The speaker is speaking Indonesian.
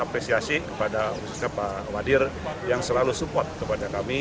apresiasi kepada khususnya pak wadir yang selalu support kepada kami